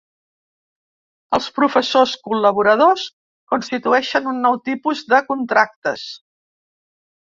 Els professors col·laboradors constitueixen un nou tipus de contractes.